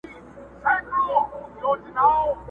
د سل سري اژدها پر كور ناورين سو٫